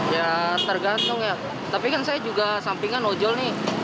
ya tergantung ya tapi kan saya juga sampingan ojol nih